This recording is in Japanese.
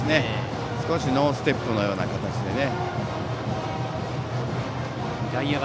少しノーステップのような形でね。